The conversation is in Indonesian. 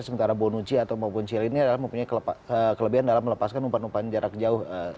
sementara bonuki atau cilin ini adalah mempunyai kelebihan dalam melepaskan umpan umpan jarak jauh